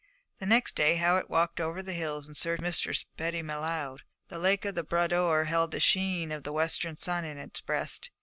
The next day Howitt walked over the hills in search of Mistress Betty M'Leod. The lake of the Bras d'Or held the sheen of the western sun in its breast.